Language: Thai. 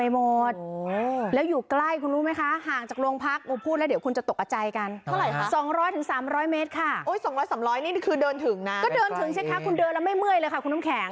ก็เดินถึงใช่ค่ะคุณเดินแล้วไม่เมื่อยเลยค่ะคุณน้ำแข็ง